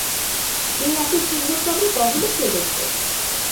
মেয়ে এতো সুন্দর তো আমার গহনা কে দেখবে!